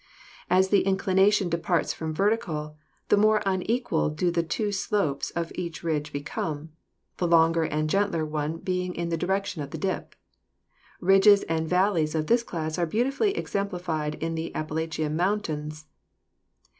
As the inclination departs from verticality, the more unequal do the two slopes of each ridge become, the longer and gentler one being in the direction of the dip. Ridges and valleys of this class are beautifully exemplified in the Appalachian Mountains.